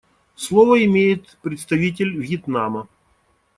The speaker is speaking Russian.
Слово имеет представитель Вьетнама.